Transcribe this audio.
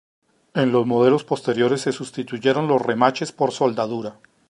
En los modelos posteriores se sustituyeron los remaches por soldadura.